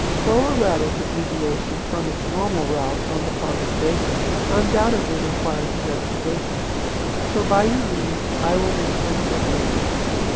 So erratic a deviation from its normal route on the part of the bacon, undoubtedly requires investigation. So, by your leave, I will ring for the good lady."